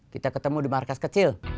kita ketemu di markas kecil